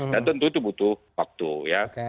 dan tentu itu butuh waktu ya